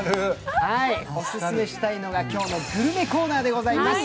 オススメしたいのが今日のグルメコーナーでございます。